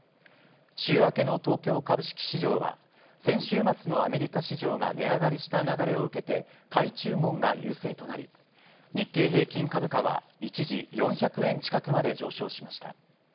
週明けの東京株式市場は、先週末のアメリカ市場が値上がりした流れを受けて、買い注文が優勢となり、日経平均株価は一時４００円近くまで上昇しました。